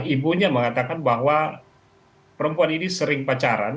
ibunya mengatakan bahwa perempuan ini sering pacaran